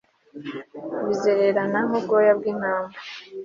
bizererana nk'ubwoya bw'intama